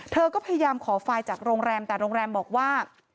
เธอก็พยายามขอไฟล์จากโรงแรมแต่โรงแรมบอกว่า